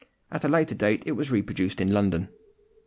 At a later date it was reproduced in London.